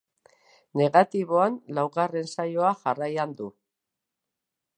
Negatiboan laugarren saioa jarraian du.